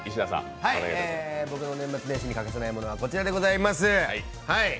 僕の年末年始に欠かせないものはこちらです。